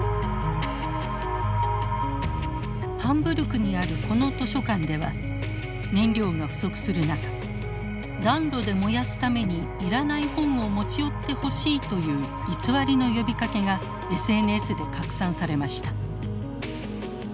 ハンブルクにあるこの図書館では燃料が不足する中暖炉で燃やすためにいらない本を持ち寄ってほしいという偽りの呼びかけがＳＮＳで拡散されました。